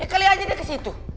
kali aja deh ke situ